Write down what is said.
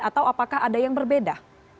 atau apakah ada yang berbeda